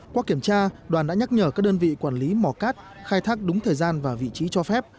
qua kiểm tra đoàn đã nhắc nhở các đơn vị quản lý mỏ cát khai thác đúng thời gian và vị trí cho phép